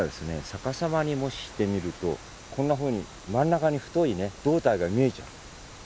逆さまにもししてみるとこんなふうに真ん中に太いね胴体が見えちゃう。